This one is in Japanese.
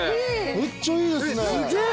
めっちゃいいですね。